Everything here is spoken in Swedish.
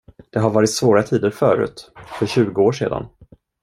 Det har varit svåra tider förut, för tjugo år sedan.